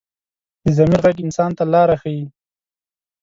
د ضمیر غږ انسان ته لاره ښيي